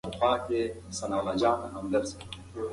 منډېلا د نړۍ په تاریخ کې تل پاتې شو.